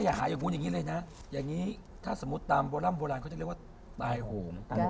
อย่าหาอย่างนู้นอย่างนี้เลยนะอย่างนี้ถ้าสมมุติตามโบร่ำโบราณเขาจะเรียกว่าตายโหง